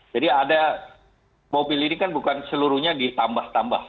jadi ada mobil ini kan bukan seluruhnya ditambah tambah